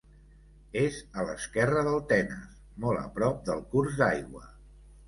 És a l'esquerra del Tenes, molt a prop del curs d'aigua.